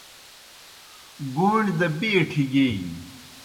گُوݨیْ دہ بَیٹِھیْ گیئی نیْ۔